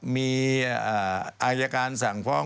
มีอายการสั่งฟ้อง